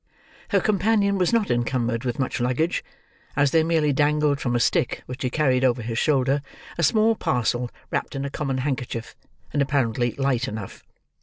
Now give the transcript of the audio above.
Her companion was not encumbered with much luggage, as there merely dangled from a stick which he carried over his shoulder, a small parcel wrapped in a common handkerchief, and apparently light enough.